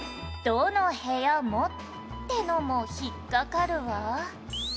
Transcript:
「“どの部屋も”ってのも引っかかるわ」